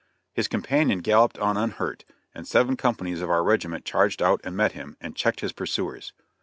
His companion galloped on unhurt, and seven companies of our regiment charged out and met him, and checked his pursuers.